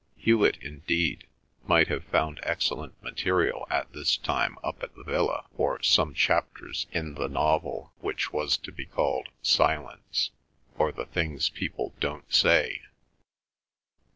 Hewet, indeed, might have found excellent material at this time up at the villa for some chapters in the novel which was to be called "Silence, or the Things People don't say."